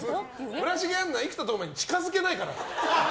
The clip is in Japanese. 村重杏奈、生田斗真に近づけないから。